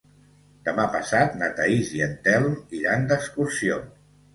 Demà passat na Thaís i en Telm iran d'excursió.